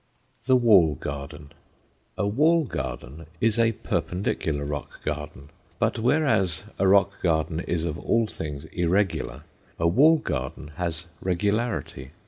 THE WALL GARDEN A wall garden is a perpendicular rock garden. But whereas a rock garden is of all things irregular, a wall garden has regularity.